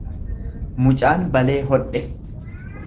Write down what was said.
Mucaan balee hodhe